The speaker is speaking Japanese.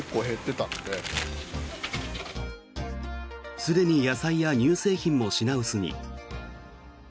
すでに野菜や乳製品も品薄に。